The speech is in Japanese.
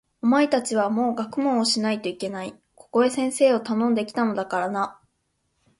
お前たちはもう学問をしないといけない。ここへ先生をたのんで来たからな。